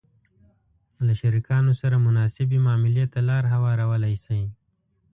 -له شریکانو سره مناسبې معاملې ته لار هوارولای شئ